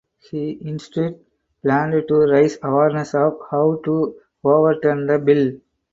He instead planned to raise awareness of how to overturn the bill.